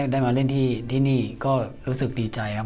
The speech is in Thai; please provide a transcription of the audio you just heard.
ได้มาเล่นที่นี่ก็รู้สึกดีใจครับ